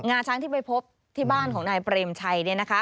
งาช้างที่ไปพบที่บ้านของนายเปรมชัย